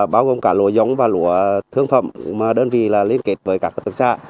bao gồm cả lúa giống và lúa thương phẩm mà đơn vị là liên kết với các thực xạ